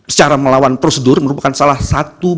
secara melawan prosedur merupakan salah satu